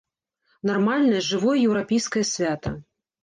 Нармальнае, жывое еўрапейскае свята.